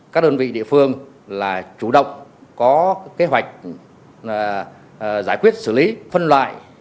các đơn vị địa phương là chủ động có kế hoạch giải quyết xử lý phân loại